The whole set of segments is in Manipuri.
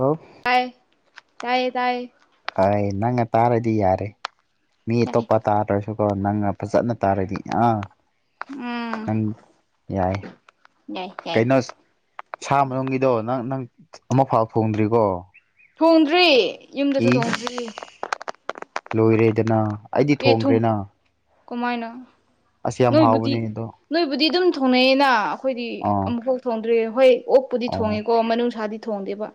ꯑꯣ ꯇꯌꯦ ꯇꯥꯏꯌꯦ ꯑꯩ ꯅꯪꯅ ꯇꯥꯔꯗꯤ ꯌꯥꯔꯦ ꯃꯤ ꯌꯥꯏ ꯑꯇꯣꯞꯄ ꯇꯥꯗ꯭ꯔꯁꯨ ꯀꯣ ꯅꯪ ꯑꯐ ꯆꯠꯅ ꯇꯥꯔꯗꯤ ꯑꯥ ꯎꯝ ꯅꯪ ꯌꯥꯏ ꯌꯥꯏ ꯌꯥꯏ ꯀꯩꯅꯣ ꯁꯥ ꯃꯅꯨꯡꯒꯤꯗꯣ ꯅꯪ ꯅꯪ ꯑꯃꯨꯛ ꯐꯥꯎ ꯐꯣꯡꯗ꯭ꯔꯤꯀꯣ ꯊꯣꯡꯗ꯭ꯔꯤ ꯌꯨꯝꯗꯁꯨ ꯊꯣꯡꯗ꯭ꯔꯤ ꯂꯨꯣꯏꯔꯦꯗꯅ ꯑꯦ ꯊꯨꯡ ꯀꯃꯥꯏꯅ ꯑꯁ ꯌꯥꯝ ꯅꯣꯏꯕꯨꯗꯤ ꯍꯥꯎꯕꯅꯦ ꯑꯗꯣ ꯅꯣꯏꯕꯨꯗꯤ ꯑꯗꯨꯝ ꯊꯣꯡꯅꯩꯑꯌꯦꯅ ꯑꯩꯈꯣꯏꯗꯤ ꯑꯥ ꯑꯃꯨꯛꯐꯥꯎ ꯊꯣꯡꯗ꯭ꯔꯦ ꯍꯣꯏ ꯑꯣꯛꯄꯨꯗꯤ ꯑꯣ ꯊꯣꯡꯉꯦꯀꯣ ꯃꯅꯨꯡꯁꯥꯗꯤ ꯊꯣꯡꯗꯦꯕ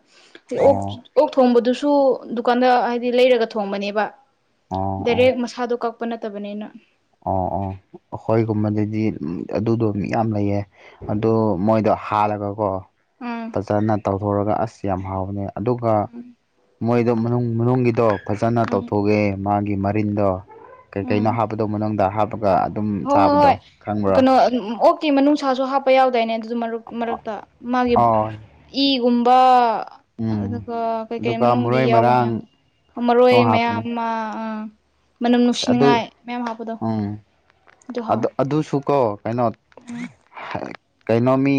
ꯑꯣꯛ ꯑꯣ ꯑꯣꯛ ꯊꯣꯡꯕꯗꯨꯁꯨ ꯗꯨꯀꯥꯟꯗ ꯍꯥꯏꯗꯤ ꯂꯩꯔꯒ ꯊꯣꯡꯕꯅꯦꯕ ꯑꯣ ꯑꯣ ꯑ ꯀꯛꯄ ꯅꯠꯇꯕꯅꯤꯅ ꯑꯣ ꯑꯣ ꯑꯩꯈꯣꯏꯒꯨꯝꯕꯗꯗꯤ ꯑꯗꯨꯗꯣ ꯌꯥꯝ ꯂꯩꯌꯦ ꯑꯗꯨ ꯃꯣꯏꯗ ꯍꯥꯜꯂꯒꯀꯣ ꯎꯝ ꯐꯖꯅ ꯇꯧꯊꯣꯔꯒ ꯑꯁ ꯌꯥꯝ ꯍꯥꯎꯅꯦ ꯑꯗꯨꯒ ꯃꯣꯏꯗꯣ ꯃꯅꯨꯡ ꯃꯅꯨꯡꯒꯤꯗꯣ ꯐꯖꯅ ꯎꯝ ꯇꯧꯊꯣꯛꯑꯦ ꯃꯥꯒꯤ ꯃꯔꯤꯟꯗꯣ ꯀꯩ ꯀꯩꯅꯣ ꯍꯥꯞꯄꯗꯧ ꯃꯅꯨꯡꯗ ꯍꯥ ꯍ ꯍꯣꯏ ꯍꯣꯏ ꯀꯩꯅꯣ ꯤ ꯃꯅꯨꯡꯅꯨꯡꯁꯥꯁꯨ ꯍꯥꯞꯄ ꯌꯥꯎꯗꯥꯏꯅꯦ ꯑꯗꯨ ꯃꯔꯛ ꯃꯔꯛꯇ ꯃꯥꯒꯤ ꯑꯣ ꯏꯒꯨꯝꯕ ꯎꯝ ꯑꯗꯨꯒ ꯀꯩꯀꯩ ꯑꯗꯨꯒ ꯃꯅꯨꯡꯒꯤ ꯃꯔꯣꯏ ꯌꯥꯎꯕ ꯃꯔꯥꯡ ꯃꯌꯥꯝꯗ ꯂꯣ ꯃꯔꯣꯏ ꯃꯌꯥꯝ ꯍꯥꯞꯄꯅꯦ ꯑꯃ ꯑꯥ ꯃꯅꯝ ꯅꯨꯡꯁꯤꯅꯤꯡꯉꯥꯏ ꯃꯌꯥꯝ ꯍꯥꯞꯄꯗꯣ ꯑꯗꯨ ꯍꯥꯎꯋꯦ ꯑꯗꯨꯁꯨ ꯀꯣ ꯀꯩꯅꯣ ꯎꯝ ꯀꯩꯅꯣ ꯃꯤ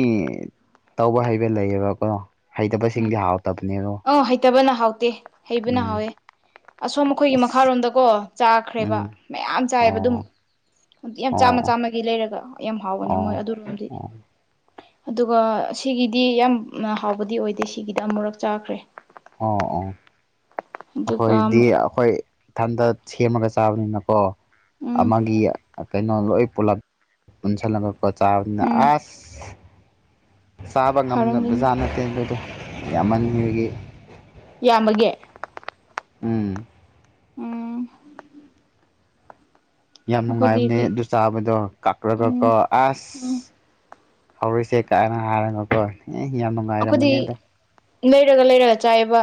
ꯇꯧꯕ ꯍꯩꯕ ꯂꯩꯌꯦꯕꯀꯣ ꯎꯝ ꯍꯩꯇꯕꯁꯤꯡꯗꯤ ꯍꯥꯎꯇꯕꯅꯦꯔꯣ ꯑ ꯍꯩꯇꯕꯅ ꯍꯥꯎꯇꯦ ꯍꯩꯕꯅ ꯍꯥꯎꯋꯦ ꯑꯁꯣꯝ ꯑꯩꯈꯣꯏꯒꯤ ꯑꯁ ꯃꯈꯥꯔꯣꯝꯗꯀꯣ ꯆꯥꯈ꯭ꯔꯦꯕ ꯎꯝ ꯃꯌꯥꯝ ꯆꯥꯏꯑꯕ ꯑꯗꯨꯝ ꯑꯣ ꯌꯥꯝ ꯆꯥꯝꯃ ꯑꯣ ꯆꯥꯝꯃꯒꯤ ꯂꯩꯔꯒ ꯌꯥꯝ ꯍꯥꯎꯒꯅꯤ ꯃꯣꯏ ꯑꯣ ꯑꯗꯨꯔꯣꯝꯗꯤ ꯑꯣ ꯑꯗꯨꯒ ꯁꯤꯒꯤꯗꯤ ꯌꯥꯝ ꯍꯥꯎꯕꯗꯤ ꯑꯣꯏꯗꯦ ꯁꯤꯒꯤꯗꯤ ꯑꯃꯨꯔꯛ ꯆꯥꯈ꯭ꯔꯦ ꯑꯣ ꯑꯣ ꯑꯗꯨꯒ ꯑꯩꯈꯣꯏꯗꯤ ꯑꯩꯈꯣꯏ ꯏꯊꯟꯇ ꯁꯦꯝꯃꯒ ꯆꯥꯕꯅꯤꯅꯀꯣ ꯎꯝ ꯑꯃꯒꯤ ꯀꯩꯅꯣ ꯂꯣꯏ ꯄꯨꯂꯞ ꯄꯨꯟꯁꯤꯜꯂꯄ ꯆꯥꯕꯅꯤꯅ ꯎꯝ ꯑꯁ ꯆꯥꯕ ꯉꯝꯗꯅꯕ ꯍꯥꯎꯔꯝꯒꯅꯤ ꯕꯖꯥ ꯅꯠꯇꯦ ꯑꯗꯨꯗꯣ ꯌꯥꯝꯃꯕꯒꯤ ꯌꯥꯝꯃꯒꯦ ꯎꯝ ꯎꯝ ꯌꯥꯝ ꯑꯩꯈꯣꯏꯗꯤ ꯅꯨꯡꯉꯥꯏꯕꯅꯤ ꯑꯗꯨ ꯆꯥꯕꯗꯣ ꯀꯛꯀ꯭ꯔ ꯎꯝ ꯀꯛꯀ ꯑꯁ ꯎꯝ ꯍꯧꯔꯤꯁꯦ ꯀꯥꯏꯅ ꯍꯥꯏꯔꯅꯀꯣ ꯑꯦ ꯌꯥꯝ ꯑꯩꯈꯣꯏꯗꯤ ꯅꯨꯡꯉꯥꯏꯔꯝꯕꯅꯦꯗ ꯂꯩꯔꯒ ꯂꯩꯔꯒ ꯆꯥꯏꯑꯕ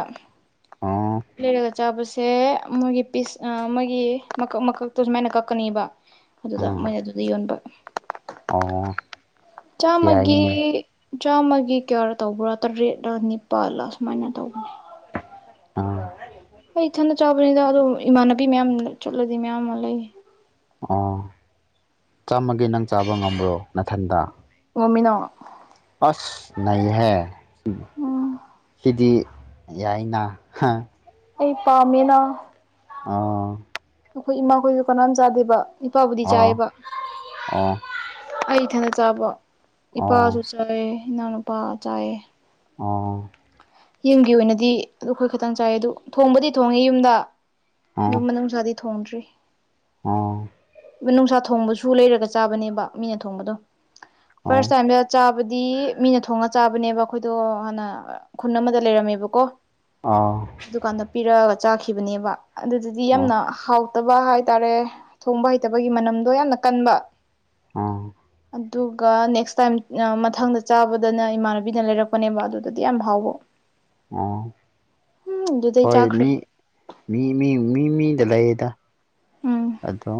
ꯑꯣ ꯂꯩꯔꯒ ꯆꯥꯄꯁ ꯁꯦ ꯃꯣꯏꯒꯤ ꯄꯤꯁ ꯃꯣꯏꯒꯤ ꯃꯀꯛ ꯃꯀꯛꯇꯣ ꯁꯨꯃꯥꯏꯅ ꯀꯛꯀꯅꯤꯕ ꯑꯗꯨꯗ ꯎꯝ ꯃꯣꯏꯅ ꯑꯗꯨꯗ ꯌꯣꯟꯕ ꯑꯣ ꯆ ꯃꯥꯒ ꯌꯥꯏꯅꯦ ꯆꯥꯝꯃꯒꯤ ꯀꯌꯥꯔ ꯇꯧꯕ꯭ꯔꯥ ꯇꯔꯦꯠꯂꯥ ꯅꯤꯄꯥꯜꯂꯥ ꯁꯨꯃꯥꯏꯅ ꯇꯧꯕꯥ ꯑ ꯍꯣꯏ ꯏꯊꯟꯗ ꯆꯥꯎꯕꯅꯤꯗ ꯑꯗꯨꯝ ꯏꯃꯥꯟꯅꯕꯤ ꯃꯌꯥꯝ ꯆꯠꯂꯗꯤ ꯃꯌꯥꯝ ꯑꯃ ꯂꯩ ꯑꯣ ꯆꯥꯝꯃꯒꯦ ꯅꯪ ꯆꯥꯕ ꯉꯝꯕ꯭ꯔꯣ ꯃꯊꯟꯗ ꯃꯃꯤꯟꯅꯣꯡ ꯑꯁ ꯅ ꯍꯥꯏ ꯎꯝ ꯁꯤꯗꯤ ꯌꯥꯏꯅ ꯑꯩ ꯄꯃꯦꯅꯥ ꯑꯥ ꯑꯩꯈꯣꯏ ꯏꯃꯥꯈꯣꯏꯁꯨ ꯀꯅꯥꯝ ꯆꯥꯗꯦꯕ ꯏꯄꯥꯕꯨꯗꯤ ꯑꯣ ꯆꯥꯏꯌꯦꯕ ꯑꯣ ꯑꯩ ꯊꯅ ꯆꯥꯕ ꯑꯣ ꯏꯄꯥꯁꯨ ꯆꯥꯏꯌꯦ ꯏꯅꯥꯎꯅꯨꯄꯥ ꯆꯥꯏꯌꯦ ꯑ ꯌꯨꯝꯒꯤ ꯑꯣꯏꯅꯗꯤ ꯑꯗꯨ ꯑꯩꯈꯣꯏ ꯈꯇꯪ ꯆꯥꯏ ꯑꯗꯨ ꯊꯣꯡꯕꯗꯤ ꯊꯣꯡꯉꯦ ꯌꯨꯝꯗ ꯑꯣ ꯑꯗꯨꯝ ꯃꯅꯪꯖꯥꯗꯤ ꯊꯣꯡꯅꯗ꯭ꯔꯤ ꯑꯣ ꯅꯨꯡꯁꯥ ꯊꯣꯡꯕꯁꯨ ꯂꯩꯔꯒ ꯆꯥꯕꯅꯦꯕ ꯃꯤꯅ ꯊꯣꯡꯕꯗꯣ ꯐꯥꯔꯁ ꯑꯣ ꯇꯥꯏꯝꯗ ꯆꯥ ꯍꯥꯏꯕꯗꯤ ꯃꯤꯅ ꯊꯣꯡꯉ ꯆꯥꯕꯅꯦꯕ ꯑꯩꯈꯣꯏꯗꯣ ꯍꯥꯟꯅ ꯈꯨꯟ ꯑꯃꯗ ꯂꯩꯔꯝꯃꯦꯕꯀꯣ ꯑꯥ ꯑꯗꯨꯀꯥꯟꯗ ꯄꯤꯔꯛꯑꯒ ꯆꯥꯈꯤꯕꯅꯦꯕ ꯑꯗꯨꯗꯨꯗꯤ ꯑꯣ ꯌꯥꯝꯅ ꯍꯥꯎ ꯍꯇꯕ ꯍꯥꯏꯇꯥꯔꯦ ꯊꯣꯡꯕ ꯍꯩꯇꯕꯒꯤ ꯃꯅꯝꯗꯣ ꯌꯥꯝꯅ ꯀꯟꯕ ꯑ ꯑꯗꯨꯒ ꯅꯦꯛꯁ ꯇꯥꯏꯝ ꯃꯊꯪꯗ ꯆꯥꯕꯗꯅ ꯏꯃꯥꯟꯅꯕꯤꯅ ꯂꯩꯔꯛꯄꯅꯦꯕ ꯑꯗꯨꯗꯗꯤ ꯌꯥꯝ ꯍꯥꯎꯕ ꯑꯣ ꯎꯝ ꯑꯗꯨꯗꯩ ꯍꯣꯏ ꯆꯥꯈ꯭ꯔꯦ ꯃꯤ ꯃꯤ ꯃꯤ ꯃꯤ ꯃꯤꯗ ꯂꯩ ꯎꯝ ꯑꯗꯣ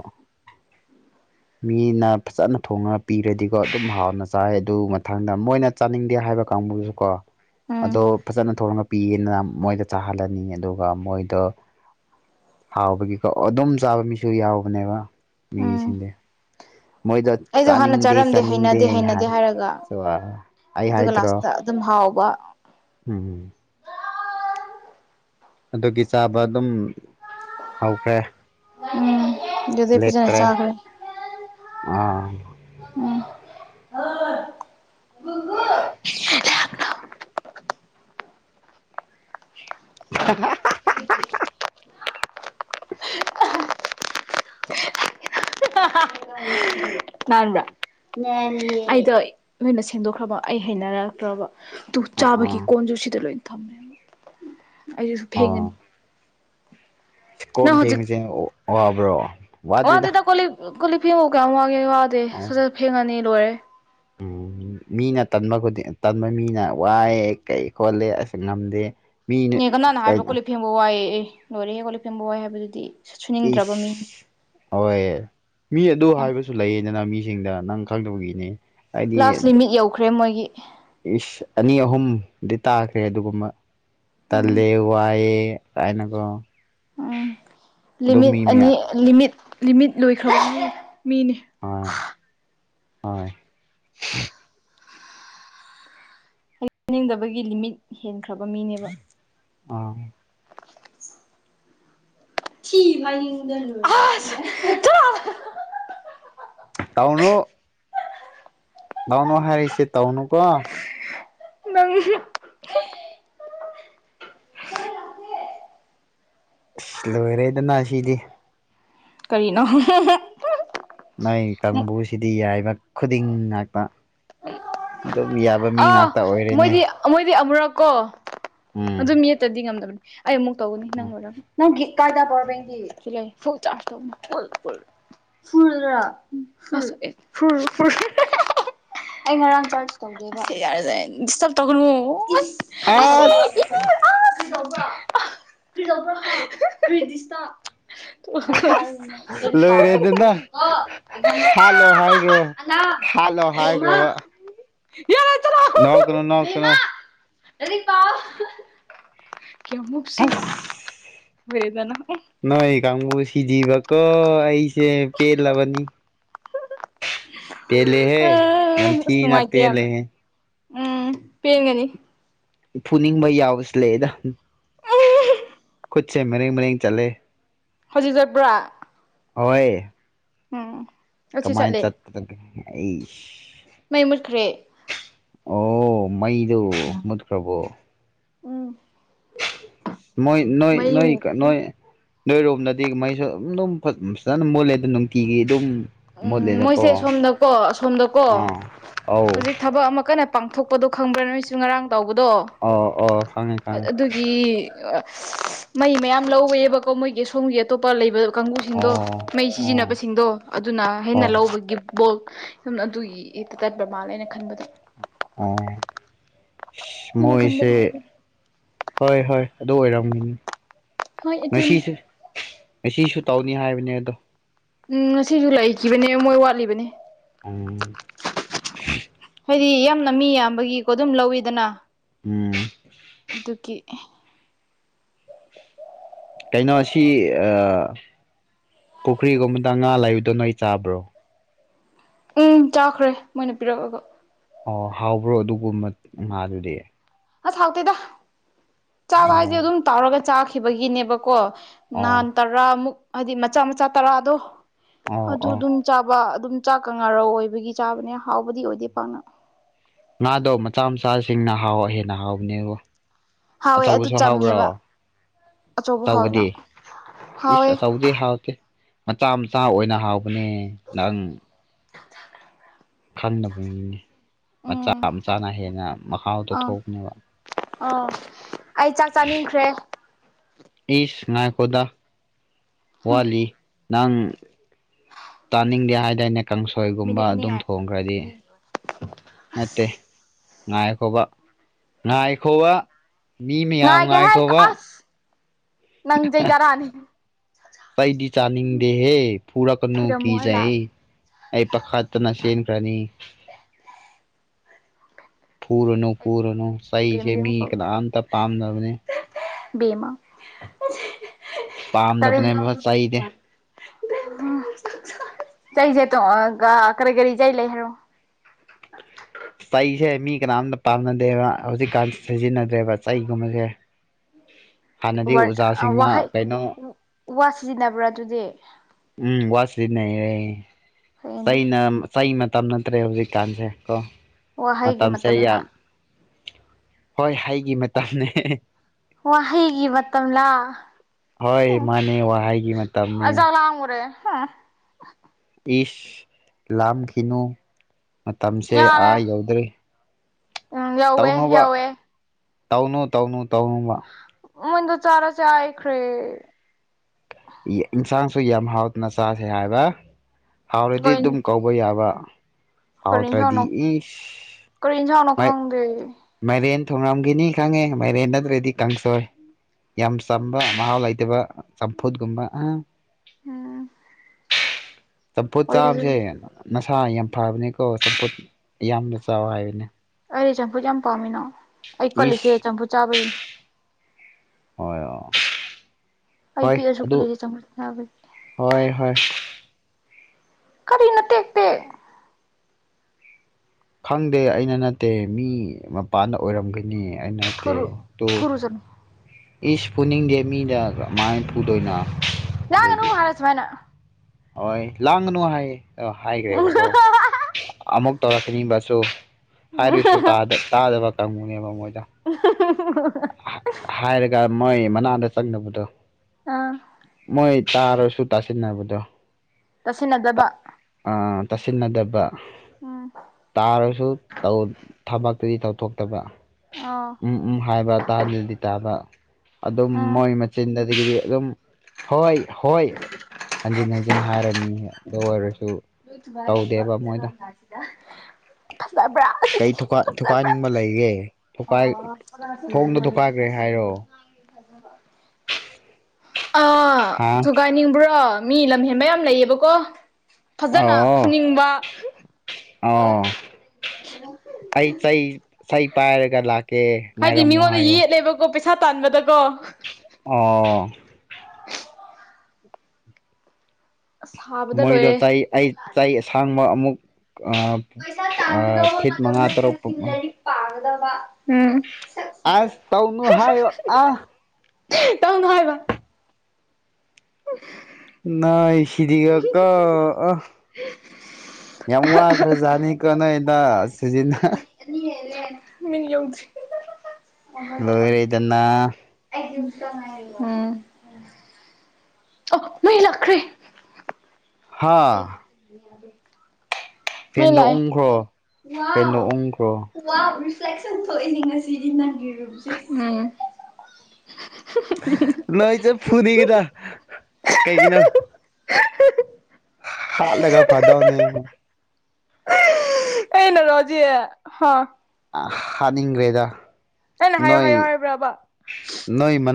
ꯃꯤꯅ ꯐꯖꯅ ꯊꯣꯡꯉꯒ ꯄꯤꯔꯗꯤꯀꯣ ꯑꯗꯨꯝ ꯍꯥꯎꯅ ꯆꯥꯏ ꯑꯗꯨ ꯃꯊꯪꯗ ꯃꯣꯏꯅ ꯆꯥꯅꯤꯡꯗꯦ ꯍꯥꯏ ꯍꯥꯏꯕ ꯀꯥꯡꯕꯨꯣ ꯎꯝ ꯑꯣ ꯐꯖꯅ ꯊ ꯄꯤꯌꯦꯅ ꯃꯣꯏꯗ ꯆꯥꯍꯜꯂꯅꯤ ꯑꯗꯨꯒ ꯃꯣꯏꯗ ꯍꯥꯎꯕꯒꯤꯀꯣ ꯑꯗꯨꯝ ꯆꯥꯕ ꯃꯤꯁꯨ ꯌꯥꯎꯕꯅꯦꯕ ꯎꯝ ꯃꯤꯁꯤꯡꯗꯤꯦ ꯃꯣꯏꯗꯣ ꯑꯩꯗꯣ ꯍꯥꯟꯅ ꯆꯥꯅꯤꯡꯗꯦ ꯆꯥꯔꯝꯗꯦ ꯆꯥꯅꯤꯡꯗꯦ ꯍꯩꯅꯗꯦ ꯍꯩꯅꯗꯦ ꯍꯥꯏ ꯍꯥꯏꯔꯒ ꯑꯩ ꯑꯗꯨꯒ ꯍꯥꯏꯗ꯭ꯔꯣ ꯂꯥꯁꯇ ꯑꯗꯨꯝ ꯍꯥꯎꯕ ꯎꯝ ꯑꯗꯨꯒꯤ ꯆꯥꯕ ꯑꯗꯨꯝ ꯍꯧꯈ꯭ꯔꯦ ꯎꯝ ꯗꯤ ꯂꯦꯞꯇ꯭ꯔꯦ ꯄꯖꯤꯅꯦꯁꯒ ꯑꯥ ꯎꯝ ꯑ ꯍ [unintelligible] ꯑ ꯅꯥꯟꯕ꯭ꯔꯥ ꯑꯩꯗ ꯅꯣꯏꯅ ꯁꯦꯡꯗꯣꯛꯈ꯭ꯔꯕ ꯑꯩ ꯍꯩꯅꯔꯛꯇ꯭ꯔꯕ ꯇꯨ ꯑ ꯆꯥꯕꯒꯤ ꯑꯥ ꯀꯣꯟꯖꯨꯁꯤꯗ ꯂꯣꯏ ꯊꯝꯃꯦ ꯑꯩꯁꯨ ꯊꯦꯡꯒꯅꯤ ꯀꯣꯟ ꯐꯦꯡꯕꯁꯦ ꯋꯥꯕ꯭ꯔꯣ ꯋꯥꯗꯦꯗ ꯀꯣꯂꯤ ꯀꯣꯂꯤ ꯐꯦꯡꯒꯣ ꯀꯌꯥꯦ ꯋꯥꯗꯦ ꯑꯣ ꯁ ꯐꯦꯡꯉꯅꯤ ꯂꯣꯏꯔꯦ ꯎꯝ ꯃꯤꯅ ꯇꯟꯕ ꯈꯨꯗꯤꯡ ꯇꯟꯕ ꯃꯤꯅ ꯋꯥꯏꯑꯦ ꯀꯩ ꯈꯣꯠꯂꯦ ꯑꯁꯨ ꯉꯝꯗꯦ ꯃꯤꯅ ꯏ ꯀ ꯅꯅ ꯍꯥꯏꯕ ꯀꯩꯅꯣ ꯀꯣꯂꯤꯞ ꯐꯦꯡꯕ ꯋꯥꯏ ꯂꯣꯏꯔꯦꯍꯦ ꯀꯣꯂꯤꯞ ꯐꯦꯡꯕ ꯋꯥꯏ ꯍꯥꯏꯕꯗꯨꯗꯤ ꯁꯨꯅꯤꯡꯗ꯭ꯔꯕ ꯃꯤꯅꯤ ꯏꯁ ꯍꯣꯏ ꯃꯤ ꯑꯗꯨ ꯌꯥꯝ ꯍꯥꯏꯕꯁꯨ ꯂꯩꯌꯦꯗꯅ ꯃꯤ ꯁꯤꯡꯗ ꯅꯪ ꯈꯪꯗꯕꯒꯤꯅꯤ ꯂꯥꯁ ꯂꯤꯃꯤꯠ ꯌꯧꯈ꯭ꯔꯦ ꯃꯣꯏꯒꯤ ꯏꯁ ꯑꯅꯤ ꯑꯍꯨꯝꯗꯤ ꯇꯥꯈ꯭ꯔꯦ ꯑꯗꯨꯒꯨꯝꯕ ꯎꯝ ꯇꯜꯂꯦ ꯋꯥꯑ ꯇꯥꯏꯅꯀꯣ ꯎꯝ ꯂꯤꯃꯤꯠ ꯑꯅꯤ ꯂꯤꯃꯤꯠ ꯂꯤꯃꯤꯠ ꯂꯣꯏꯈ꯭ꯔꯣ ꯃꯤꯅꯤ ꯍꯣꯏ ꯍꯥꯏꯖꯅꯤꯡꯗꯕꯒꯤ ꯂꯤꯃꯤꯠ ꯍꯦꯟꯈ꯭ꯔꯕ ꯃꯤꯅꯦꯕ ꯑꯥ ꯁꯤ ꯏ ꯂꯥꯎꯅꯨ ꯍꯥꯏꯔꯁꯦ ꯇꯥꯎꯅꯨ ꯀꯣ ꯃꯪꯁꯤ ꯁ꯭ꯂ ꯑꯣꯏꯔꯗꯅ ꯁꯤꯩꯗꯤꯦ ꯀꯔꯤꯅꯣ ꯅꯣꯏ ꯀꯥꯡꯕꯨꯁꯤꯗꯤ ꯌꯥꯏꯕ ꯈꯨꯗꯤꯡ ꯉꯥꯛꯄ ꯑ ꯃꯣꯏꯗꯤ ꯃꯣꯏꯗꯤ ꯑꯃꯔꯛ ꯀꯣ ꯎꯝ ꯑꯗꯨ ꯃꯤꯌꯦꯠꯇꯗꯤ ꯉꯝꯗꯕꯅꯤ ꯑꯩ ꯑꯃꯨꯛ ꯇꯧꯒꯅꯤ ꯅꯪ ꯂꯣꯏꯔꯝ ꯅꯪꯒꯤ ꯀꯥꯏꯗ ꯄꯔꯕꯗꯤ ꯐꯨ ꯆꯥ ꯐꯨ ꯐ ꯐ꯭ꯔꯥ ꯑꯩ ꯉꯔꯥꯡ ꯆꯥꯔꯖ ꯇꯧ ꯗꯤꯁꯇꯔ ꯇꯧ ꯑ ꯄꯖꯄ ꯗꯤꯁ [inaudible] ꯂꯣꯏꯔꯦꯗꯅ ꯍꯥꯠꯂꯣ ꯍꯥꯏꯈ꯭ꯔꯣ ꯍꯥꯠꯂꯣ [unintelligible] ꯅꯧ ꯀꯅꯣ ꯅꯧ ꯀꯩꯅꯣ ꯑꯗꯨꯔꯤ ꯄꯥꯎ ꯑꯁ [unintelligible] ꯀꯪꯕꯨ ꯁꯤꯖꯤꯕ ꯀꯣ ꯑꯩꯁꯦ ꯄꯦ ꯂꯕꯅꯤ ꯑꯦ ꯌꯥꯝ ꯊꯤꯅ ꯁꯉꯥꯏꯇꯌꯥꯅ ꯄꯦꯜꯂꯦꯍꯦ ꯎꯝ ꯄꯦꯟꯒꯅꯤ ꯄꯨꯅꯤꯡꯕ ꯌꯥꯎꯁ ꯂꯩꯗ ꯄꯨ ꯃꯔꯤ ꯃꯅ ꯆꯂꯦ ꯍꯧꯖꯤꯛ ꯆꯠꯄ꯭ꯔꯥ ꯍꯣꯏ ꯎꯝ ꯑꯁꯤ ꯀꯃꯥꯏꯅ ꯆꯠꯂꯦ ꯆꯠꯇꯒꯦ ꯑꯩ ꯃꯩ ꯃꯨꯠꯈ꯭ꯔꯦ ꯑꯣ ꯃꯩꯗꯨ ꯃꯗꯀ꯭ꯔꯕꯣ ꯎꯝ ꯃꯣꯏ ꯅꯣꯏ ꯅꯣꯏ ꯃꯌꯨꯝ ꯅꯣꯏ ꯅꯣꯏꯔꯣꯝꯅꯗꯤ ꯃꯣꯏꯁꯨ ꯁ ꯑꯗꯨꯝ ꯐꯖꯅ ꯃꯣꯜꯂꯦ ꯑꯗꯨꯣ ꯅꯨꯡꯇꯤꯒꯤ ꯑꯗꯨꯝ ꯎꯝ ꯃꯣꯏꯁꯦ ꯃꯨꯠꯂꯦꯗꯀꯣ ꯁꯣꯝꯗꯀꯣ ꯑꯁꯣꯝꯗꯀꯣ ꯑꯥ ꯑꯧ ꯍꯧꯖꯤꯛ ꯊꯕꯛ ꯑꯃ ꯀꯟꯅ ꯄꯥꯡꯊꯣꯛꯄꯗꯣ ꯈꯪꯕ꯭ꯔꯥ ꯅꯣꯏꯁꯨ ꯉꯔꯥꯡ ꯇꯧꯕꯗꯣ ꯑꯧ ꯑꯣ ꯈꯪꯉꯦ ꯈꯪꯉꯦ ꯑꯗꯨꯒꯤ ꯃꯩ ꯃꯌꯥꯝ ꯂꯧꯋꯦꯕꯀꯣ ꯃꯣꯏꯒꯤ ꯁꯣꯝꯒꯤ ꯑꯇꯣꯞꯄ ꯂꯩꯕ ꯀꯥꯡꯕꯨꯨꯁꯤꯡꯗꯣ ꯑꯣ ꯃꯩ ꯑꯣ ꯁꯤꯖꯤꯟꯅꯕꯁꯤꯡꯗꯣ ꯑꯗꯨꯅ ꯍꯦꯟꯅ ꯑꯣ ꯂꯧꯕꯒꯤ ꯐꯠꯕꯣꯜ ꯁꯨꯝ ꯑꯗꯨꯒꯤ ꯏꯛꯇ ꯆꯠꯄ꯭ꯔ ꯃꯥꯜꯂꯦꯅ ꯈꯟꯕꯗꯣ ꯑꯣ ꯅꯪꯅ ꯈꯟꯕꯗꯣ ꯃꯣꯏꯁꯦ ꯍꯥꯏꯕꯥꯅꯦ ꯍꯣꯏ ꯍꯣꯏ ꯑꯗꯨ ꯑꯣꯏꯔꯝꯒꯅꯤ ꯍꯣꯏ ꯏꯇ ꯉꯁꯤꯁꯨ ꯉꯁꯤꯁꯨ ꯇꯧꯅꯤ ꯍꯥꯏꯕꯅꯦ ꯑꯗꯣ ꯎꯝ ꯉꯁꯨ ꯂꯩꯈꯤꯕꯅꯦ ꯃꯣꯏ ꯋꯥꯠꯂꯤꯕꯅꯦ ꯑ ꯍꯥꯏꯗꯤ ꯌꯥꯝꯅ ꯃꯤ ꯌꯥꯝꯕꯒꯤꯀꯣ ꯑꯗꯨꯝ ꯂꯧꯋꯤꯗꯅ ꯎꯝ ꯗꯨꯒꯤꯈꯤ ꯀꯩꯅꯣꯁꯤ ꯄꯨꯈ꯭ꯔꯤꯒꯨꯝꯕꯗ ꯉꯥ ꯂꯩꯕꯗꯣ ꯅꯣꯏ ꯆꯥꯕ꯭ꯔꯣ ꯎꯝ ꯆꯥꯈ꯭ꯔꯦ ꯃꯣꯏꯅ ꯄꯤꯔꯛꯑꯒꯣ ꯑꯣ ꯍꯥꯎꯕ꯭ꯔꯣ ꯑꯗꯨꯒꯨꯝꯕ ꯉꯥꯗꯨꯗꯤ ꯑꯁ ꯍꯥꯎꯇꯦꯗ ꯆꯥꯕ ꯍꯥꯏꯁꯦ ꯑꯣ ꯑꯗꯨꯝ ꯇꯥꯎꯔꯒ ꯆꯥꯈꯤꯕꯒꯤꯅꯦꯕꯀꯣ ꯅꯍꯥꯟ ꯑꯣ ꯇꯔꯥꯃꯨꯛ ꯍꯥꯏꯗꯤ ꯃꯆꯥ ꯃꯆꯥ ꯇꯔꯥꯗꯣ ꯑꯣ ꯑꯗꯨ ꯑꯣ ꯑꯗꯨꯝ ꯆꯥꯕ ꯑꯗꯨꯝ ꯆꯥꯛꯀ ꯉꯥꯔꯧ ꯑꯣꯏꯕꯒꯤ ꯆꯥꯕꯅꯦ ꯍꯥꯎꯕꯗꯤ ꯑꯣꯏꯗꯦ ꯄꯥꯛꯅ ꯉꯥꯗꯣ ꯃꯆꯥ ꯃꯆꯥꯁꯤꯡꯅ ꯍꯥꯎ ꯍꯦꯟꯅ ꯍꯥꯎꯕꯅꯦꯕ ꯍꯥꯎꯋꯦ ꯑꯗꯨ ꯑꯆꯧꯕꯁꯨ ꯍꯥꯎꯕ꯭ꯔꯣ ꯆꯝꯃꯦꯕ ꯑꯆꯧꯕ ꯍꯥꯎꯋꯤꯅ ꯑꯆꯥꯎꯕꯗ ꯏꯁ ꯍꯥꯎꯋꯦ ꯑꯆꯥꯎꯗ ꯍꯥꯥꯎ ꯃꯆꯥ ꯃꯆꯥ ꯑꯣꯏꯅ ꯍꯥꯎꯕꯅꯦ ꯅꯪ ꯈꯪꯗꯅꯕꯅꯤꯅꯦ ꯃꯆꯥ ꯎꯝ ꯃꯆꯥꯅ ꯍꯦꯟꯅ ꯃꯍꯥꯎꯗꯣ ꯊꯣꯛꯅꯦꯕ ꯑꯣ ꯑꯩ ꯆꯥꯛ ꯆꯥꯅꯤꯡꯈ꯭ꯔꯦ ꯏꯁ ꯉꯏꯀꯣꯗꯥ ꯋꯥꯂꯤ ꯅꯪ ꯇꯥꯅꯤꯡꯗꯦ ꯍꯥꯏꯗꯥꯅꯦ ꯀꯥꯡꯁꯣꯏꯒꯨꯝꯕ ꯃꯤꯅꯤꯠ ꯑꯅꯤ ꯑꯗꯨꯝ ꯉꯥꯏ ꯊꯣꯡꯈ꯭ꯔꯗꯤ ꯅꯠꯇꯦ ꯉꯥꯏꯈꯣꯕ ꯉꯥꯏꯈꯣꯕ ꯃꯤ ꯃꯌꯥꯝ ꯉꯥꯏꯒꯦ ꯍꯥꯏ ꯉꯥꯏꯈꯣꯕ ꯑꯁ ꯅꯪ ꯆꯩꯩꯖꯔꯛꯑꯅꯤ ꯄꯥꯏꯗꯤ ꯆꯥꯅꯤꯡꯗꯦ ꯍꯦ ꯐꯨꯔꯛꯀꯅꯨ ꯊꯤꯔꯝꯃꯣ ꯑꯩ ꯀꯤꯖꯩ ꯂꯥꯛꯑꯒꯦ ꯑꯩ ꯄꯈꯥꯠꯇꯅ ꯆ‌ꯦꯟꯈ꯭ꯔꯅꯤ ꯐꯨꯔꯨꯅꯨ ꯐꯨꯔꯨꯅꯨ ꯕꯦꯝ ꯏꯁꯩꯁꯦ ꯕꯦꯝ ꯃꯤ ꯀꯅꯥꯝꯇ ꯄꯥꯝꯅꯕꯅꯦ ꯕ‌ꯦꯝꯃꯥ ꯄꯥꯝꯗꯕꯅꯦꯕ ꯆꯩꯗꯤ [unintelligible] ꯆꯁ ꯇ ꯀꯔꯤ ꯀꯔꯤ ꯆꯩ ꯂꯩ ꯍꯥꯏꯔꯣ [unintelligible] ꯆꯩꯁꯦ ꯃꯤ ꯀꯅꯥꯝꯇ ꯄꯥꯝꯅꯗꯦꯕ ꯍꯧꯖꯤꯛꯀꯥꯟ ꯁꯤꯖꯤꯟꯅꯗ꯭ꯔꯦꯕ ꯆꯩꯒꯨꯝꯕꯁꯦ ꯍꯥꯟꯅꯗꯤ ꯑꯣꯖꯥꯁꯤꯡꯅ ꯋꯥꯍꯩ ꯀꯩꯅꯣ ꯋꯥ ꯁꯤꯖꯤꯟꯅꯕ꯭ꯔꯥ ꯑꯗꯨꯗꯤ ꯎꯝ ꯋꯥꯠꯁꯤꯗꯤꯟꯅꯩꯔꯦ ꯐꯩꯅꯦ ꯆꯩꯅ ꯆꯩ ꯃꯇꯝ ꯅꯠꯇ꯭ꯔꯦ ꯍꯧꯖꯤꯛꯀꯥꯟꯁꯦ ꯀꯣ ꯋꯥꯍꯩꯒꯤ ꯃꯇꯝꯁꯦ ꯌꯥꯝ ꯃꯇꯝꯂꯥ ꯍꯣꯏ ꯍꯥꯏꯈꯤ ꯃꯇꯝꯅꯤꯅꯦ ꯋꯥ ꯍꯩꯒꯤꯕ ꯃꯇꯝꯝꯂ ꯍꯣꯏ ꯃꯥꯅꯦ ꯋꯥꯍꯩꯒꯤ ꯃꯇꯝꯅꯤ ꯍꯥ ꯏꯁ ꯂꯥꯝꯈꯤꯅꯨ ꯃꯇꯝꯁꯦ ꯌꯥꯔꯦ ꯑꯥ ꯌꯧꯗ꯭ꯔꯔꯤ ꯎꯝ ꯌꯥꯎꯋꯦ ꯌꯥꯎꯋꯦ ꯇꯧꯅꯨ ꯇꯧꯅꯨ ꯇꯧꯅꯨꯕ ꯃꯣꯏꯗ ꯆꯔꯥ ꯆꯩꯦ ꯑꯈ ꯔꯦ ꯏꯟꯁꯥꯡꯁꯨ ꯌꯥꯝ ꯍꯥꯎꯗꯅ ꯆꯥꯁꯦ ꯍꯥꯏꯕ ꯍꯥꯎꯔꯗꯤ ꯑꯗꯨꯝ ꯀꯩ ꯀꯧꯕ ꯌꯥꯕ ꯀꯔꯤ ꯍꯥꯎꯗ꯭ꯔꯗꯤ ꯏꯟꯁꯥꯡꯅꯣ ꯏꯁ ꯀꯔꯤ ꯏꯟꯁꯥꯡꯅꯣ ꯃꯥꯏ ꯈꯪꯗꯦ ꯃꯥꯏꯔꯦꯟ ꯊꯣꯉꯝꯒꯤꯅꯤ ꯈꯪꯉꯦ ꯃꯥꯏꯔꯦꯟ ꯅꯠꯇ꯭ꯔꯗꯤ ꯀꯥꯡꯁꯣꯏ ꯌꯥꯝ ꯆꯝꯕ ꯃꯍꯥꯎ ꯂꯩꯇꯕ ꯆꯝꯐꯨꯠꯒꯨꯝꯕ ꯑ ꯎꯝ ꯆꯝꯐꯨꯠ ꯆꯥꯕꯁꯦ ꯑꯣꯏꯖꯔꯦ ꯅꯁꯥ ꯌꯥꯝ ꯐꯕꯅꯤꯀꯣ ꯆꯝꯐꯨꯠ ꯌꯥꯝꯅ ꯆꯥꯎ ꯍꯥꯏꯕꯅꯤ ꯑꯩꯗꯤ ꯆꯝꯐꯨ ꯌꯥꯝ ꯄꯥꯝꯃꯤꯅꯣ ꯑꯩ ꯀꯜꯂꯤꯁꯦ ꯏꯁ ꯆꯝꯐꯨꯠ ꯆꯥꯕꯒꯤꯅꯦ ꯍꯣꯏ ꯑꯣ ꯍꯣꯏ ꯑꯗꯨ ꯀꯜꯂꯤꯁꯦ ꯆꯝꯐꯨꯠ ꯆꯥꯕꯒꯤ ꯍꯣꯏ ꯍꯣꯏ ꯀꯔꯤ ꯅ ꯇꯦꯛꯇꯦꯛ ꯈꯪꯗꯦ ꯑꯩꯅ ꯅꯠꯇꯦ ꯃꯤ ꯃꯄꯥꯟꯗ ꯑꯣꯏꯔꯝꯒꯅꯤ ꯑꯠꯇ ꯐꯨꯔꯨ ꯇꯣ ꯐꯨꯔꯨꯖꯅꯨ ꯏꯁ ꯄꯨꯅꯤꯡꯗꯦ ꯃꯤꯗ ꯀꯃꯥꯏꯅ ꯄꯨꯨꯗꯣꯏꯅꯣ ꯌꯥꯒꯅꯨ ꯍꯔꯥꯏꯁꯨ ꯋꯥꯅꯦ ꯍꯣꯏ ꯂꯥꯡꯒꯅꯨ ꯍꯥꯏ ꯍꯥꯏꯈ꯭ꯔꯦꯕꯀꯣ ꯑꯃꯨꯛ ꯇꯧꯔꯛꯀꯅꯤꯡꯕ ꯁꯨ ꯍꯥꯏꯔꯤꯁꯨ ꯇꯥꯗꯕ ꯀꯥꯡꯕꯨꯨꯅꯦꯕ ꯃꯣꯏꯗ [unintelligible] ꯍꯥꯏꯔꯒ ꯃꯣꯏ ꯃꯅꯥꯛꯇ ꯆꯪꯅꯕꯗꯣ ꯑꯥ ꯇꯥꯔ ꯁꯨ ꯇꯁꯤꯟ ꯅꯥꯗꯕꯗꯣ ꯇꯁꯤꯟꯅꯗꯕ ꯇꯥꯁꯤꯟꯅꯗꯕ ꯇꯥꯔꯁꯨ ꯊꯕꯛꯇꯨꯗꯤ ꯇꯧꯊꯣꯛꯇꯕ ꯑꯥꯎ ꯎꯝ ꯎꯝ ꯍꯥꯏꯕ ꯇꯥꯗꯤ ꯇꯥꯕ ꯑꯗꯨꯝ ꯎꯝ ꯃꯣꯏ ꯃꯆꯤꯟꯗ ꯑꯗꯒꯤꯗꯤ ꯑꯗꯨꯝ ꯍꯣꯏ ꯍꯣꯏ ꯍꯟꯖꯤꯟ ꯍꯟꯖꯤꯟ ꯍꯥꯏꯔꯅꯤ ꯑꯗꯨ ꯑꯣꯏꯔꯁꯤ ꯌꯠ ꯏꯌꯥꯝꯝꯕ ꯆꯠ ꯂꯁꯤꯗ [unintelligible] ꯀꯩ ꯐꯖꯕ꯭ꯔꯥ ꯊꯨꯀꯥꯏꯅꯤꯡꯕ ꯂꯩꯒꯦꯥꯏ ꯊꯣꯡꯗ ꯊꯨꯀꯥꯏꯈ꯭ꯔꯦ ꯍꯥꯏꯔꯣ [unintelligible] ꯑꯗꯨ ꯑꯥ ꯍꯥ ꯊꯨꯒꯥꯏꯅꯤꯡꯕ꯭ꯔꯣ ꯃꯤ ꯂꯝꯍꯦꯟꯕ ꯌꯥꯝ ꯂꯩꯌꯦꯕꯀꯣ ꯐꯖꯅ ꯑꯣ ꯐꯨꯅꯤꯡꯕ ꯑꯣ ꯑꯩ ꯁꯩ ꯁꯍꯤ ꯄꯥꯔꯔꯦꯒ ꯂ ꯍꯥꯏꯗꯤ ꯃꯤꯉꯣꯟꯗ ꯌꯦꯠꯂꯦꯕꯀꯣ ꯄꯩꯁꯥ ꯇꯥꯟꯕꯗꯀꯣ ꯑꯣ꯫ [unintelligible] ꯑꯁ ꯁꯥꯕꯗ ꯃꯣꯏꯗ ꯂꯣꯏꯔꯦ ꯇꯥꯏ ꯑꯩ ꯇꯥꯏ ꯑꯁꯥꯡꯕ ꯑꯃꯨꯛ ꯄꯩꯁꯥ ꯇꯥꯟꯒꯗꯧꯕ ꯐꯤꯠ ꯃꯉꯥ ꯃꯇꯝꯗ ꯇꯔꯨꯛ ꯇꯦꯟꯁꯤꯜꯂꯔꯤ ꯄꯥꯒꯗꯕ꯫ ꯁꯛꯁꯤꯒ ꯑꯁ ꯇꯧꯅꯨ ꯍꯥꯏꯌꫭ ꯑ꯫ ꯇꯩꯅꫭ ꯍꯥꯏꯕ꯫ ꯅꯣꯏ ꯁꯤꯗꯤꯒꯀꯣ ꯑ ꯌꯥꯝ ꯋꯥꯈ꯭ꯔꯖꯥꯅꯤ ꯀꫭ ꯅꫭꯏꯗꫭ ꯁꯤꯖꯤꯟꯅ꯫ [unintelligible] [unintelligible] ꯑꫭ ꯂꯣꯏꯔꯦꯗꯅ ꯃꯩ ꯂꯥꯛꯈ꯭ꯔꯦ꯫ ꯍꯥ ꯑꯩ ꯃ ꯐꯦꯟꯗꯣ ꯂꯥꯛ ꯎꯪꯈ꯭ꯔꯣ ꯐꯦꯟꯗꯣ ꯎꯪꯈ꯭ꯔꯣ ꯑꯦ ꯐꯦꯛꯁꯟ ꯊꯣꯛꯏꯅꯦ ꯉꯁꯤꯗꯤ ꯅꯪꯒꯤ ꯔꯨꯞꯁꯦ ꯎꯝ ꯅꯣꯏ ꯆꯦ ꯐꯨꯅꯤꯒꯗ ꯀꯩꯒꯤꯅ ꯍꯥ ꯂꯩꯒ ꯐꯥꯗꯅꯦ ꯑꯩꯩꯅ ꯔꯣꯖꯤ ꯍꯥ ꯍꯥꯅꯤꯡꯈ꯭ꯔꯦꯗ ꯑꯩꯅ ꯍꯥꯏꯌꯣ ꯍꯥꯏꯌꯣ ꯅꯣꯏ ꯍꯥꯏꯕ꯭ꯔꯕ ꯅꯣꯏ ꯃ